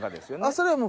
それは。